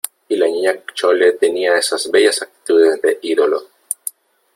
y la Niña Chole tenía esas bellas actitudes de ídolo ,